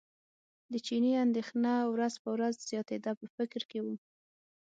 د چیني اندېښنه ورځ په ورځ زیاتېده په فکر کې و.